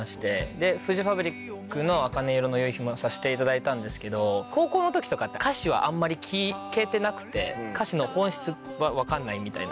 でフジファブリックの『茜色の夕日』もさせていただいたんですけど高校の時とかって歌詞はあんまり聴けてなくて歌詞の本質は分かんないみたいな。